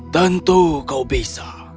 tentu kau bisa